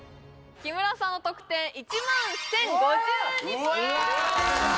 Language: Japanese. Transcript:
木村さんの得点１万１０５２ポイント！